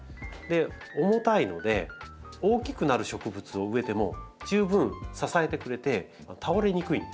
重たいので大きくなる植物を植えても十分支えてくれて倒れにくいんですよ。